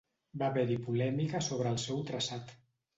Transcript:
Va haver-hi polèmica sobre el seu traçat.